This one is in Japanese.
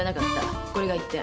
これが一点。